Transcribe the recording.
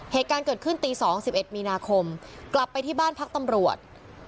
เหตุการณ์เกิดขึ้นตี๒๑มีนาคมกลับไปที่บ้านพักตำรวจ